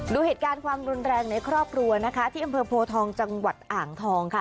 ดูเหตุการณ์ความรุนแรงในครอบครัวนะคะที่อำเภอโพทองจังหวัดอ่างทองค่ะ